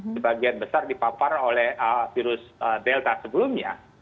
sebagian besar dipapar oleh virus delta sebelumnya